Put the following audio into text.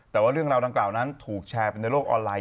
แต่ว่าเรื่องราวดังกล่าวนั้นถูกแชร์ไปในโลกออนไลน